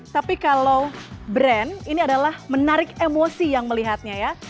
tapi kalau brand ini adalah menarik emosi yang melihatnya ya